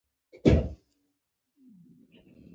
کمپنۍ د سوداګرو تر سختو نیوکو لاندې راغله.